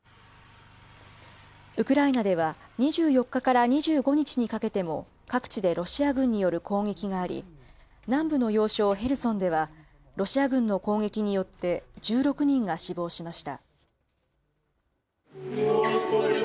ウクライナでは２４日から２５日にかけても各地でロシア軍による攻撃があり、南部の要衝ヘルソンでは、ロシア軍の攻撃によって１６人が死亡しました。